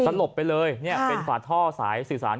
สลบไปเลยเนี่ยเป็นฝาท่อสายสื่อสาร